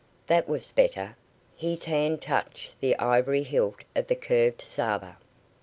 That was better! His hand touched the ivory hilt of the curved sabre.